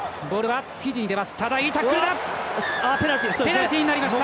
ペナルティになりました。